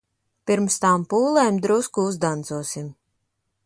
Pirms tām pūlēm drusku uzdancosim.